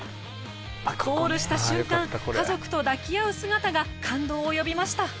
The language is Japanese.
ゴールした瞬間家族と抱き合う姿が感動を呼びました。